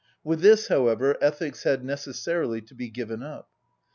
With this, however, ethics had necessarily to be given up.